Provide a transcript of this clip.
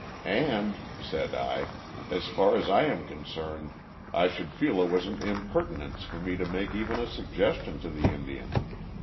"And," said I, "as far as I am concerned, I should feel it was an impertinence for me to make even a suggestion to the Indian.